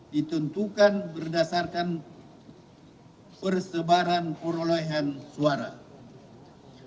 ditentukan berdasarkan urutan hasil perolehan suara terbanyak dalam pemilihan umum